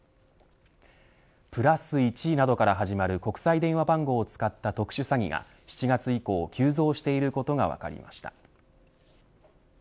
＋１などから始まる国際電話番号を使った特殊詐欺が７月以降、急増していることが分かりました。